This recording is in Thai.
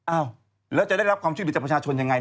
อ้าวแล้วจะได้รับความช่วยเหลือจากประชาชนยังไง